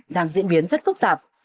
đang diễn biến rất phức tạp